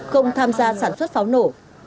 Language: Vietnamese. không tham gia sản xuất pháo nổ